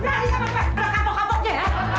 berang kapok kapok ya